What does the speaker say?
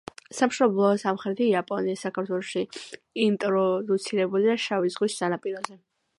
სამშობლოა სამხრეთი იაპონია, საქართველოში ინტროდუცირებულია შავი ზღვის სანაპიროზე.